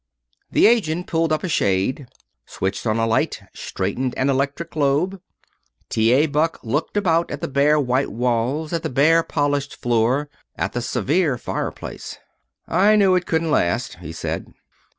The agent pulled up a shade, switched on a light, straightened an electric globe. T. A. Buck looked about at the bare white walls, at the bare polished floor, at the severe fireplace. "I knew it couldn't last," he said.